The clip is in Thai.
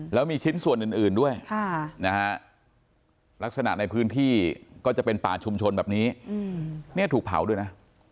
แล้วมีชิ้นส่วนอื่นด้วยลักษณะในพื้นที่ก็จะเป็นป่าชุมชนแบบนี้เนี่ยถูกเผาด้วยนะ